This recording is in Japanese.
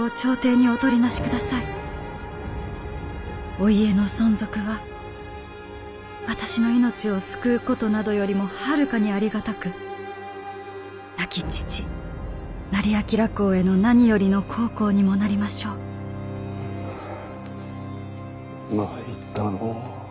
お家の存続は私の命を救うことなどよりもはるかにありがたく亡き父斉彬公への何よりの孝行にもなりましょう」。ははぁ参ったのう。